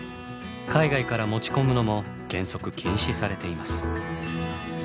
海外から持ち込むのも原則禁止されています。